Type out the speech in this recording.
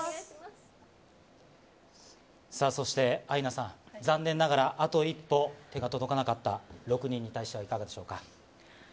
さあ、そしてアイナさん、残念ながらあと一歩、手が届かなかった６人に対しては、いかがでしょうか。